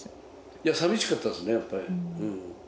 いや、寂しかったですね、やっぱり。